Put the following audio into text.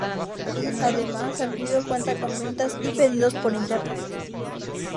Además, Sanrio cuenta con ventas y pedidos por Internet.